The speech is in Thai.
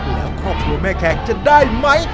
แล้วครอบครัวแม่แขกจะได้ไหม